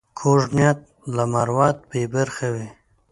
کوږ نیت له مروت بې برخې وي